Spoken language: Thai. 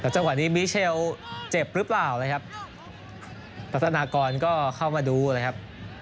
จังหวะนี้มิเชลเจ็บหรือเปล่านะครับพัฒนากรก็เข้ามาดูเลยครับ